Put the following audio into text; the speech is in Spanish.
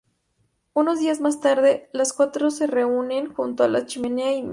Unos días más tarde, los cuatro se reúnen junto a la chimenea y Mrs.